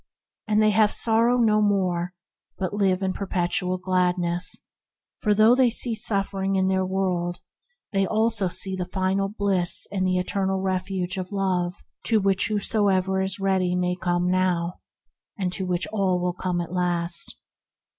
They sorrow no more, but live in per petual gladness; for, though they see the suffering in the world, they also see the final Bliss and the Eternal Refuge of Love, to which whosoever is ready may come now, and to which all shall come at last.